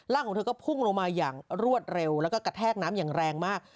ของเธอก็พุ่งลงมาอย่างรวดเร็วแล้วก็กระแทกน้ำอย่างแรงมาก